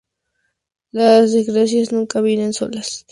Las desgracias nunca vienen solas